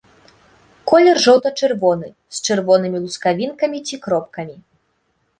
Колер жоўта-чырвоны, з чырвонымі лускавінкамі ці кропкамі.